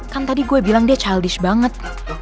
kan tadi gue bilang dia childius banget